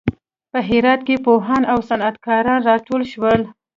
په هرات کې پوهان او صنعت کاران راټول شول.